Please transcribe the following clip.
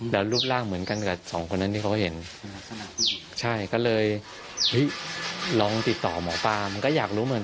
แล้วรูปร่างเหมือนกันกับสองคนนั้นที่เขาเห็นใช่ก็เลยลองติดต่อหมอปลามันก็อยากรู้เหมือน